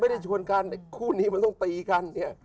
ได้ชวนกันแต่คู่นี้มันต้องตีกันเนี่ย